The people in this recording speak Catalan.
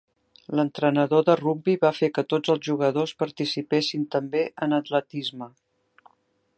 L'entrenador de rugbi va fer que tots els jugadors participessin també en atletisme.